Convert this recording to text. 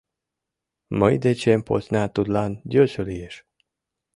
Мый дечем посна тудлан йӧсӧ лиеш.